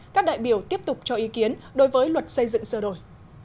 các đại biểu tiếp tục cho ý kiến đối với luật xây dựng sửa đổi